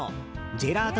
ジェラート